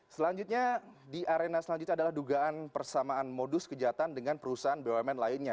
selanjutnya di arena selanjutnya adalah dugaan persamaan modus kejahatan dengan perusahaan bumn lainnya